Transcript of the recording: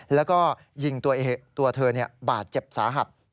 แล้วก็ยิงตัวเธอบาดเจ็บสาหัส